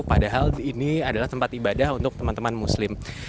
padahal ini adalah tempat ibadah untuk teman teman muslim